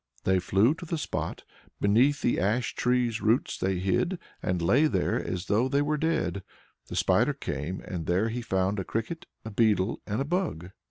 They flew to the spot; beneath the ash tree's roots they hid, and lay there as though they were dead. The Spider came, and there he found a cricket, a beetle, and a bug.